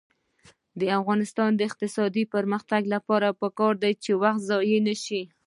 د افغانستان د اقتصادي پرمختګ لپاره پکار ده چې وخت ضایع نشي.